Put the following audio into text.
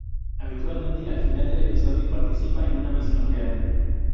Habitualmente, al final del episodio participa en una misión real.